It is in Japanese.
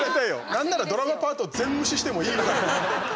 なんならドラマパート全無視してもいいぐらい。